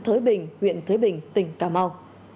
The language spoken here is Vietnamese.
thới bình huyện thới bình tỉnh cà mau